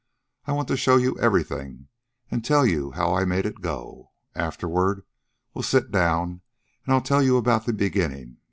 "I want to show you everything, and tell you how I make it go. Afterward, we'll sit down, and I'll tell you about the beginning.